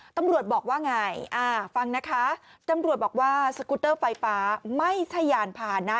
ตำรวจบอกว่าไงอ่าฟังนะคะตำรวจบอกว่าสกุตเตอร์ไฟฟ้าไม่ใช่ยานพานะ